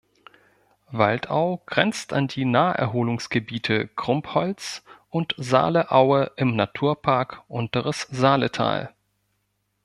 Waldau grenzt an die Naherholungsgebiete Krumbholz und Saaleaue im Naturpark Unteres Saaletal.